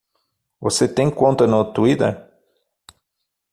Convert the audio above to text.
Você tem conta no Twitter?